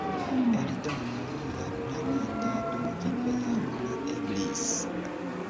Eldono ja planita dumvive jam ne eblis.